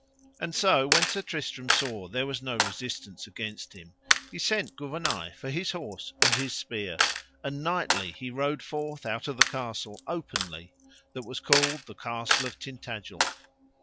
And so when Sir Tristram saw there was no resistance against him he sent Gouvernail for his horse and his spear, and knightly he rode forth out of the castle openly, that was called the Castle of Tintagil.